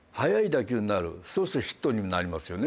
そうするとヒットになりますよね。